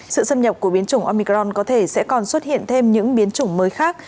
sự xâm nhập của biến chủng omicron có thể sẽ còn xuất hiện thêm những biến chủng mới khác